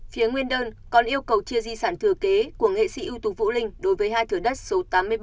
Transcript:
phía nguyên đơn còn yêu cầu chia di sản thừa kế của nghệ sĩ ưu tục vũ linh đối với hai thừa đất số tám mươi bảy tám mươi tám